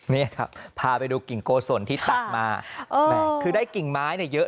นี่ครับพาไปดูกิ่งโกศลที่ตัดมาแหมคือได้กิ่งไม้เนี่ยเยอะ